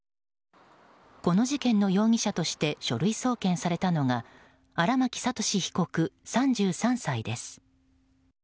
この事件の容疑者として書類送検されたのが荒巻悟志被告、３３歳です。